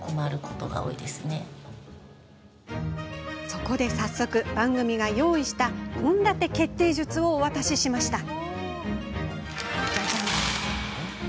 そこで早速、番組が用意した献立決定術をお渡ししました。